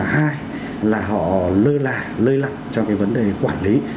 hai là họ lơi lạ lơi lặng trong cái vấn đề quản lý